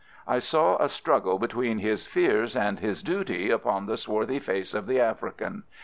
I saw a struggle between his fears and his duty upon the swarthy face of the African.